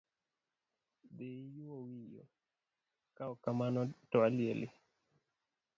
Dhi iyuo wiyo, kaok kamano to alieli.